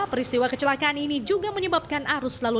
peristiwa kecelakaan ini juga menyebabkan arus laluan